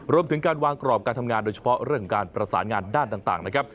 รวมถึงการวางกรอบการทำงานโดยเฉพาะเรื่องการประสานงานด้านต่างนะครับ